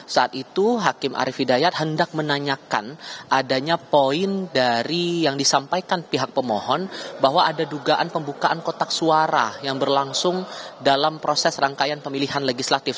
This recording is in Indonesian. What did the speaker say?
saat itu hakim arief hidayat hendak menanyakan adanya poin dari yang disampaikan pihak pemohon bahwa ada dugaan pembukaan kotak suara yang berlangsung dalam proses rangkaian pemilihan legislatif